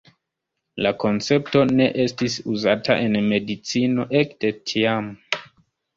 La koncepto ne estis uzata en medicino ekde tiam.